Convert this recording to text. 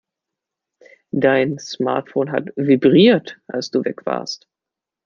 Dein Smartphone hat vibriert, als du weg warst.